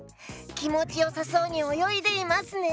きもちよさそうにおよいでいますね！